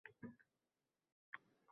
Qutulardim aytib bir yo’la